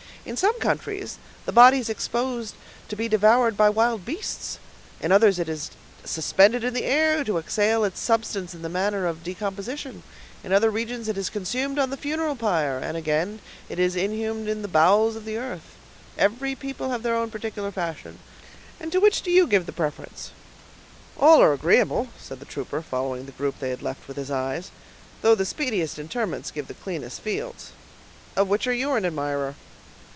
"In some countries the body is exposed to be devoured by wild beasts; in others it is suspended in the air to exhale its substance in the manner of decomposition; in other regions it is consumed on the funeral pile, and, again, it is inhumed in the bowels of the earth; every people have their own particular fashion, and to which do you give the preference?" "All are agreeable," said the trooper, following the group they had left with his eyes; "though the speediest interments give the cleanest fields. Of which are you an admirer?"